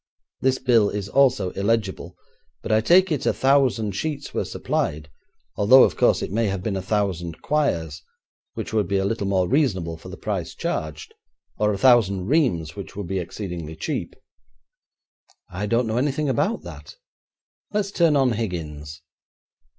This bill is also illegible, but I take it a thousand sheets were supplied, although of course it may have been a thousand quires, which would be a little more reasonable for the price charged, or a thousand reams, which would be exceedingly cheap.' 'I don't know anything about that. Let's turn on Higgins.'